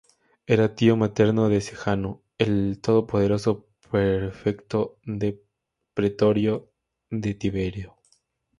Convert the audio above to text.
Era tío materno de Sejano, el todopoderoso prefecto del pretorio de Tiberio.